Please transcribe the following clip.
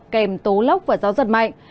kèm tố lốc và gió giật mạnh